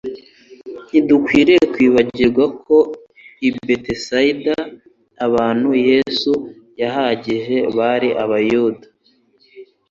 Ntidukwiriye kwibagirwa ko i Betsaida abantu Yesu yahagije bari abayuda,